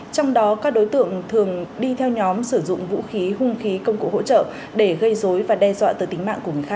trong đó các đối tượng thường đi theo nhóm sử dụng vũ khí hung khí công cụ hỗ trợ để gây dối và đe dọa tới tính mạng của người khác